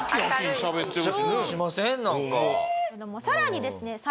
さらにですね